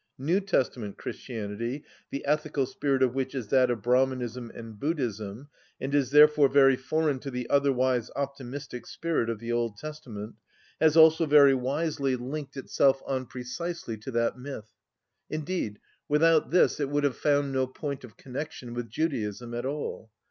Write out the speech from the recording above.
New Testament Christianity, the ethical spirit of which is that of Brahmanism and Buddhism, and is therefore very foreign to the otherwise optimistic spirit of the Old Testament, has also, very wisely, linked itself on precisely to that myth: indeed, without this it would have found no point of connection with Judaism at all.